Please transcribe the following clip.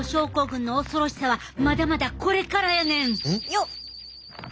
よっ！